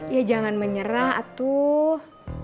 ya jangan menyerah atuh